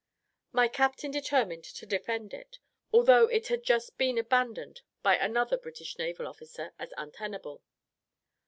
My captain determined to defend it, although it had just been abandoned by another British naval officer, as untenable.